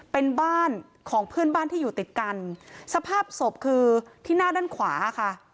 เป็นบ้านของเพื่อนบ้านที่อยู่ติดกันสภาพศพคือที่หน้าด้านขวาค่ะ